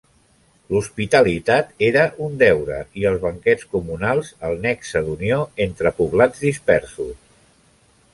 L'hospitalitat era un deure i els banquets comunals, el nexe d'unió entre poblats dispersos.